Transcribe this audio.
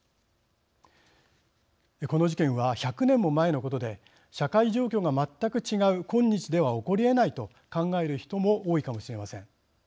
この事件は１００年も前のことで社会状況が全く違う今日では起こりえないと考える人も多いかもしれません。